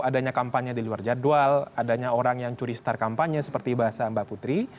adanya kampanye di luar jadwal adanya orang yang curi start kampanye seperti bahasa mbak putri